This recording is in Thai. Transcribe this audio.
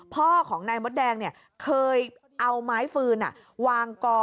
พ่อของนายมดแดงเคยเอาไม้ฟืนวางกอ